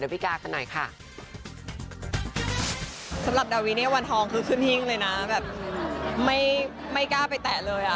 แบบไม่กล้าไปแตะเลย